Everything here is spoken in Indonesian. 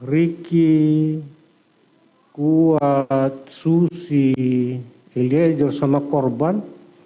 riki kuat susi eliezer sama korban